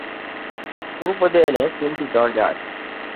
পূর্ব দেয়ালে তিনটি দরজা আছে।